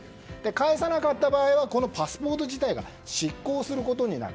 返さなかった場合はパスポート自体が失効することになる。